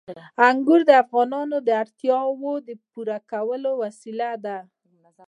انګور د افغانانو د اړتیاوو د پوره کولو وسیله ده.